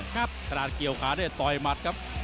ขนาดเกี่ยวขาได้ต่อยหมัดครับ